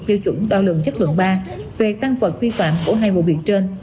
tiêu chuẩn đo lượng chất lượng ba về tăng vật phi phạm của hai vụ việc trên